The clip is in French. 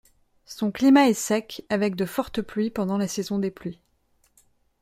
Son climat est sec, avec de fortes pluies pendant la saison des pluies.